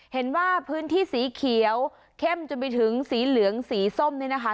เห็นว่าพื้นที่สีเขียวเข้มจนไปถึงสีเหลืองสีส้มนี่นะคะ